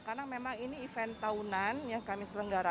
karena memang ini event tahunan ya kami selenggara